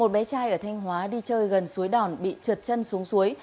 một bé trai ở thanh hóa đi chơi gần suối đòn bị trượt chân xuống suối